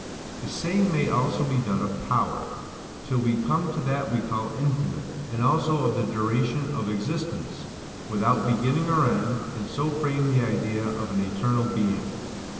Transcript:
The same may also be done of power, till we come to that we call infinite; and also of the duration of existence, without beginning or end, and so frame the idea of an eternal being.